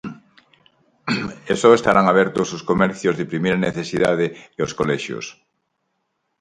E só estarán abertos os comercios de primeira necesidade e os colexios.